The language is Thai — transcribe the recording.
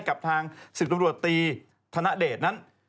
กับทางศิษย์ตรวจตีธนเดชนั้น